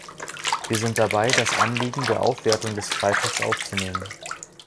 Wir sind dabei, das Anliegen der Aufwertung des Freitags aufzunehmen.